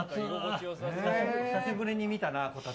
久しぶりに見たな、こたつ。